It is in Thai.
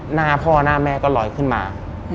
หน้าพ่อหน้าแม่ก็ลอยขึ้นมา